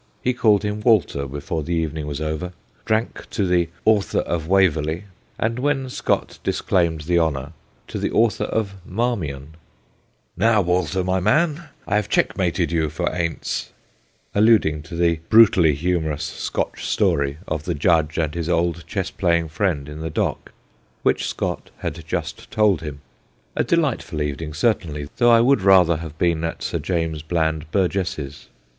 He called him * Walter ' before the evening was over ; drank to the ' Author of Waverley '; and when Scott dis claimed the honour, to the ' Author of Marmion* ' Now, Walter, my man, I have checkmated you for ance ' alluding to the brutally humorous Scotch story of the judge and his old chess playing friend in the dock, which Scott had just told him. A delightful evening, certainly, though I would rather have been at Sir James Bland Burgess's.